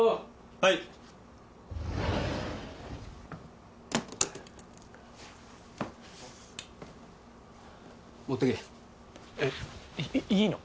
はいあっ持ってけえっいいの？